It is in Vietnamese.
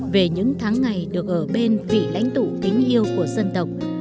về những tháng ngày được ở bên vị lãnh tụ kính yêu của dân tộc